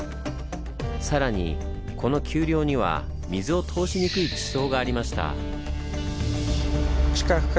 さらにこの丘陵には水を通しにくい地層がありました。